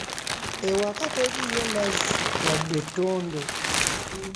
Ewakka teriyo mazzi wadde etondo.